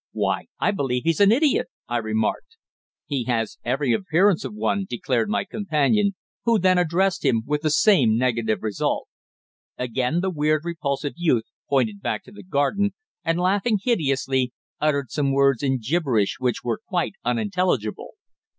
"Why, I believe he's an idiot!" I remarked. "He has every appearance of one," declared my companion, who then addressed him, with the same negative result. Again the weird, repulsive youth pointed back to the garden, and, laughing hideously, uttered some words in gibberish which were quite unintelligible.